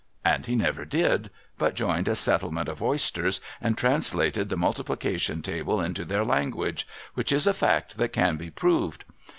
And he never did, but joined a settlement of oysters, and translated the multiplication table into their language, — which is a fact that can be proved.